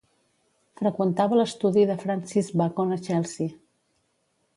Freqüentava l'estudi de Francis Bacon a Chelsea.